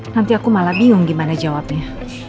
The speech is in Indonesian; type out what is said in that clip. nanti aku malah bingung gimana jawabnya